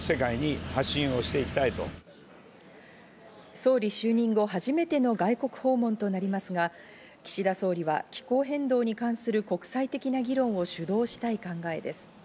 総理就任後、初めての外国訪問となりますが、岸田総理は気候変動に関する国際的な議論を主導したい考えです。